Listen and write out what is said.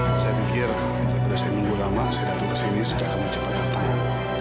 saya pikir daripada saya munggu lama saya datang kesini supaya kamu cepat terutama